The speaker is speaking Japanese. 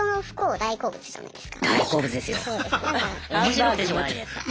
大好物ですよ。